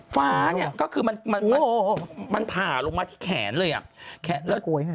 ฟ้าเนี่ยก็คือมันผ่าลงมาที่แขนเลยอ่ะแขนแล้ว